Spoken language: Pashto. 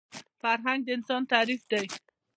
فرهنګ د انسان تعریف دی